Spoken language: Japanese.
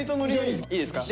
いいですか。